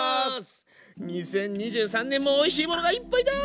２０２３年もおいしいものがいっぱいだ！